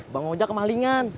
bang moja kemalingan